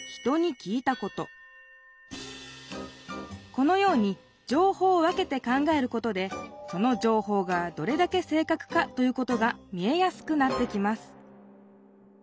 このようにじょうほうを分けて考えることでそのじょうほうがどれだけ正確かということが見えやすくなってきます